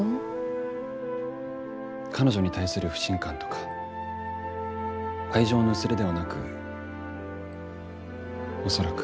彼女に対する不信感とか愛情の薄れではなく恐らく。